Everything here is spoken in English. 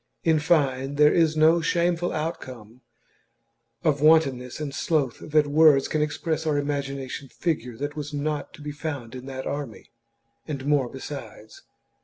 In fine, there is no shameful outcome of wantonness and sloth that words can express or imagination figure that was not to be found in that army, and more besides.